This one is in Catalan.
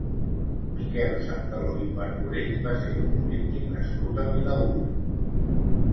Miquel Santaló i Parvorell va ser un polític nascut a Vilaür.